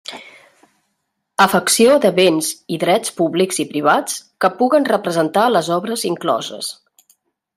Afecció de béns i drets públics i privats que puguen representar les obres incloses.